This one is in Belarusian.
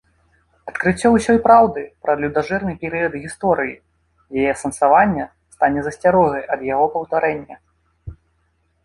Адкрыццё ўсёй праўды пра людажэрны перыяд гісторыі, яе асэнсаванне стане засцярогай ад яго паўтарэння.